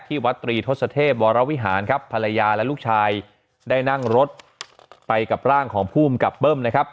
วัดตรีทศเทพวรวิหารครับภรรยาและลูกชายได้นั่งรถไปกับร่างของภูมิกับเบิ้มนะครับ